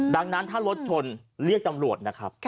ดังนั้นถ้ารถชนเรียกตำรวจนะครับ